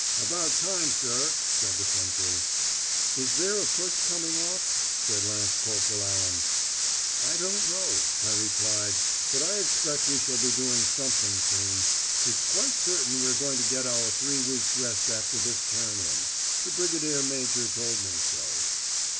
"About time, sir," said the sentry. "Is there a push coming off?" said Lance Corporal Allan. "I don't know," I replied. "But I expect we shall be doing something soon. It's quite certain we're going to get our three weeks' rest after this turn in. The Brigade Major told me so."